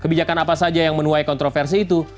kebijakan apa saja yang menuai kontroversi itu